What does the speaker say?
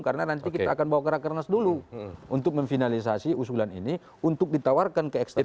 karena nanti kita akan bawa ke rakyat karnas dulu untuk memfinalisasi usulan ini untuk ditawarkan ke eksternal